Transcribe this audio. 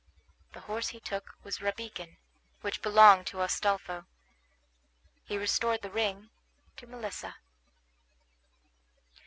The horse he took was Rabican, which belonged to Astolpho. He restored the ring to Melissa.